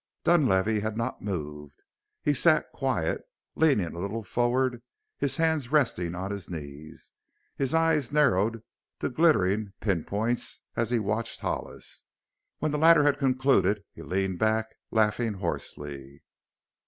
Dunlavey had not moved. He sat quiet, leaning a little forward, his hands resting on his knees, his eyes narrowed to glittering pin points as he watched Hollis. When the latter had concluded he leaned back, laughing hoarsely.